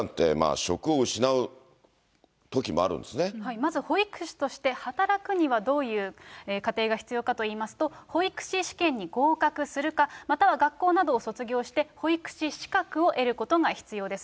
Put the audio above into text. まず保育士として働くにはどういう過程が必要かといいますと、保育士試験に合格するか、または学校などを卒業して、保育士資格を得ることが必要です。